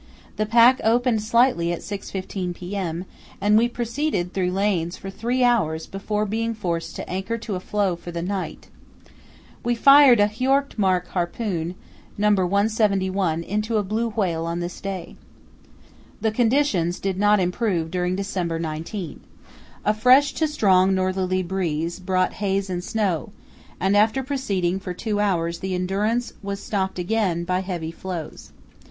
The pack opened slightly at 6.15 p.m., and we proceeded through lanes for three hours before being forced to anchor to a floe for the night. We fired a Hjort mark harpoon, No. 171, into a blue whale on this day. The conditions did not improve during December 19. A fresh to strong northerly breeze brought haze and snow, and after proceeding for two hours the Endurance was stopped again by heavy floes.